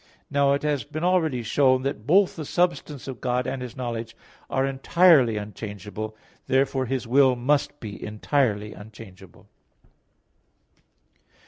Now it has already been shown that both the substance of God and His knowledge are entirely unchangeable (QQ. 9, A. 1; 14, A. 15). Therefore His will must be entirely unchangeable.